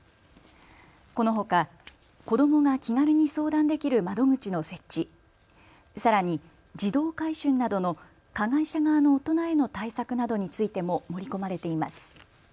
このほか子どもが気軽に相談できる窓口の設置、さらに児童買春などの加害者側の大人への対策などについても盛り込まれています。